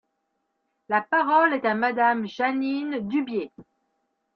La parole est à Madame Jeanine Dubié.